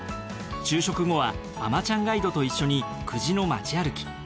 昼食後はあまちゃんガイドと一緒に久慈の町歩き。